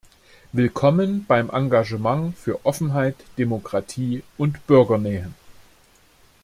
Willkommen beim Engagement für Offenheit, Demokratie und Bürgernähe.